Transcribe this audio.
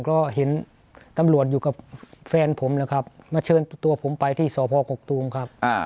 ก็เห็นตำรวจอยู่กับแฟนผมแล้วครับมาเชิญตัวผมไปที่สพกกตูมครับ